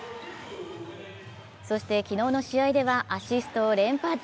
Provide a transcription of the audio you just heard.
そして、昨日の試合ではアシストを連発。